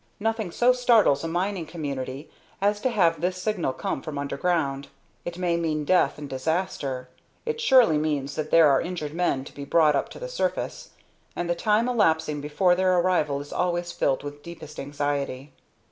Nothing so startles a mining community as to have this signal come from underground. It may mean death and disaster. It surely means that there are injured men to be brought up to the surface, and the time elapsing before their arrival is always filled with deepest anxiety.